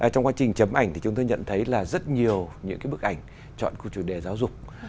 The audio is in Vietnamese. trong quá trình chấm ảnh thì chúng tôi nhận thấy là rất nhiều những cái bức ảnh chọn của chủ đề giáo dục